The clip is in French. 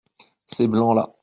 Ces blancs-là.